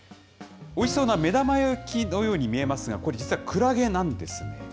おいしそうな目玉焼きのように見えますが、これ、実はクラゲなんですね。